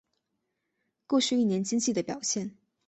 过去一年经济的表现